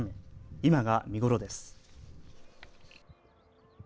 今が見頃です。